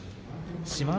志摩ノ